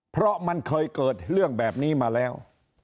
เพราะมันเคยเกิดเรื่องแบบนี้มาแล้ว